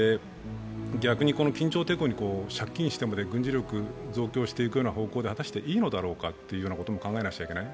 逆に緊張をてこに、借金してまで軍事力増強していくような方向で、果たしていいのかということも考えなくてはいけない。